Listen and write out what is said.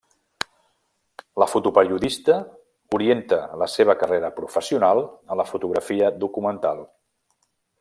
La fotoperiodista orienta la seva carrera professional a la fotografia documental.